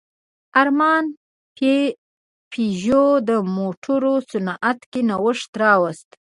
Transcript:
ارمان پيژو د موټرو صنعت کې نوښت راوست.